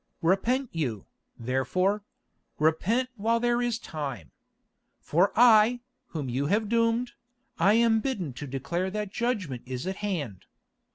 Repent you, therefore, repent while there is time; for I, whom you have doomed, I am bidden to declare that judgment is at hand.